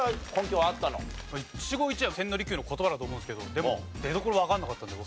一期一会は千利休の言葉だと思うんですけどでも出どころわからなかったので。